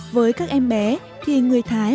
với các em bé thì người thái